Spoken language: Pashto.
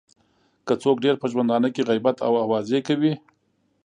که څوک ډېر په ژوندانه کې غیبت او اوازې کوي.